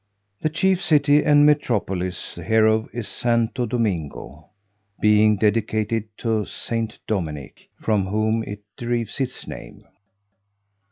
The chief city and metropolis hereof is Santo Domingo; being dedicated to St. Dominic, from whom it derives its name.